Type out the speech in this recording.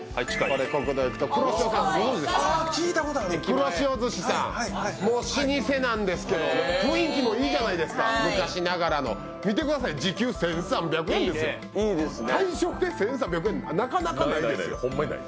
国道行くとくろしをさんくろしを寿司さん老舗なんですけど雰囲気もいいじゃないですか昔ながらの見てください時給１３００円ですよ大正で１３００円なかなかないですよ